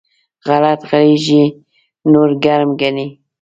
غلط غږېږي؛ نور ګرم ګڼي.